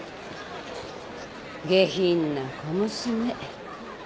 下品な小娘。